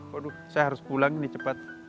waduh saya harus pulang ini cepat